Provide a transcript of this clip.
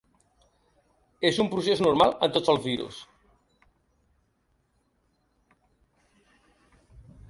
És un procés normal en tots els virus.